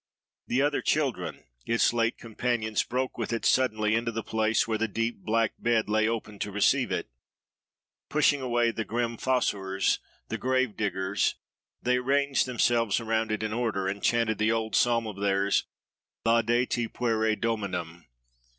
The other children, its late companions, broke with it, suddenly, into the place where the deep black bed lay open to receive it. Pushing away the grim fossores, the grave diggers, they ranged themselves around it in order, and chanted that old psalm of theirs—Laudate pueri dominum!